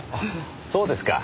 そうですか。